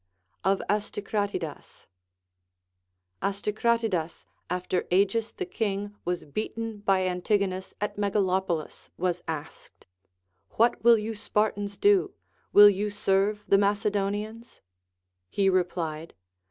Of Astycratidas. Astycratidas, after Agis the king Λvas beaten by Anti gonus at Megalopolis, Avas asked. What will you Spartans do ? Avill you serve the Macedonians "? He replied.